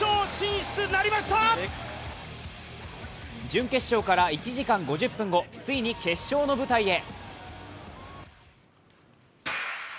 準決勝から１時間５０分後、ついに決勝の舞台へ。